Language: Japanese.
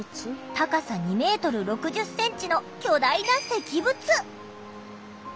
高さ２ｍ６０ｃｍの巨大な石仏。